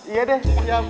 iya deh diam